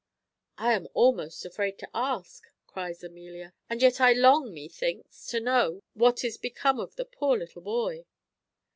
"I am almost afraid to ask," cries Amelia, "and yet I long methinks to know what is become of the poor little boy."